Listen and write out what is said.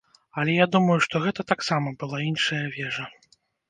Але я думаю, што гэта таксама была іншая вежа.